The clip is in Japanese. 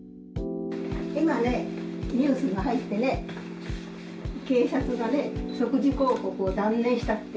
今ね、ニュースが入ってね、検察がね、即時抗告を断念したって。